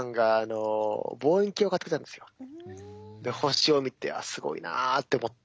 星を見て「あっすごいな」って思って。